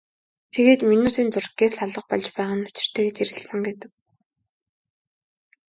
Тэгээд минутын зуур гялс алга болж байгаа нь учиртай гэж ярилцсан гэдэг.